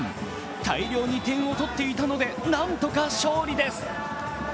大量に点を取っていたので何とか勝利です。